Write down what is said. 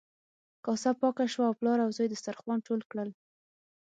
کاسه پاکه شوه او پلار او زوی دسترخوان ټول کړل.